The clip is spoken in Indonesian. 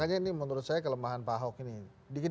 makanya ini menurut saya kelemahan pak ahok ini